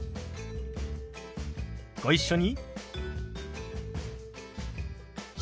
ご一緒に。